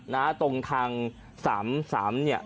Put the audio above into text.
มันเป็นอะไรเนี่ย